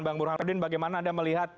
bang burhan perudin bagaimana anda melihat